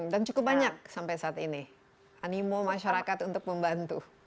dan cukup banyak sampai saat ini animo masyarakat untuk membantu